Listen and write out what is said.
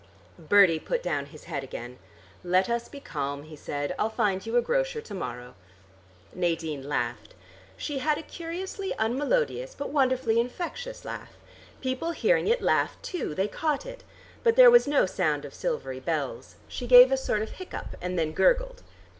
Bertie put down his head again. "Let us be calm," he said. "I'll find you a grocer to morrow." Nadine laughed. She had a curiously unmelodious but wonderfully infectious laugh. People hearing it laughed too: they caught it. But there was no sound of silvery bells. She gave a sort of hiccup and then gurgled.